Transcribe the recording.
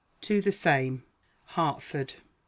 TO THE SAME. HARTFORD.